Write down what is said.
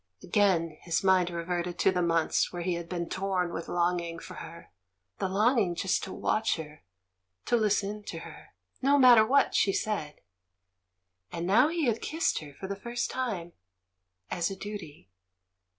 Again his mind reverted to the months when he had been torn with longing for her — the longing just to watch her, to listen to her, no matter what she said. And now he had kissed her for the first time — as a duty.